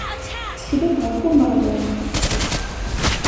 Tteklet ɣef Umeɣlal.